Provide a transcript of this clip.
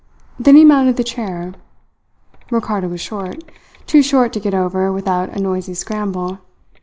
Then he mounted the chair. Ricardo was short too short to get over without a noisy scramble.